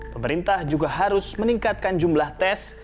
pemerintah juga harus meningkatkan jumlah tes